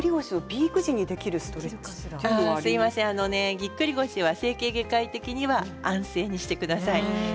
ぎっくり腰は整形外科医的には安静にしてください。